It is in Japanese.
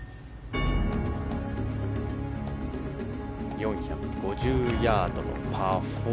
４５０ヤードのパー４。